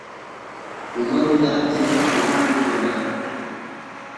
Umaru laati nun tenkuujo na'i.